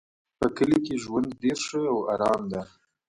په کلي کې ژوند ډېر ښه او آرام ده